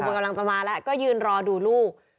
กำลังจะมาแล้วก็ยืนรอดูลูก